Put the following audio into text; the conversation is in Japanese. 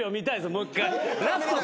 もう１回。